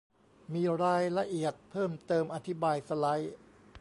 มีรายละเอียดเพิ่มเติมอธิบายสไลด์